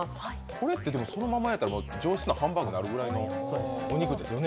これってそのままやったら上質なハンバーグになるくらいのお肉ですよね。